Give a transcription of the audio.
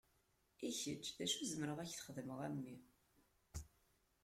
I kečč, d acu i zemreɣ ad k-t-xedmeɣ, a mmi?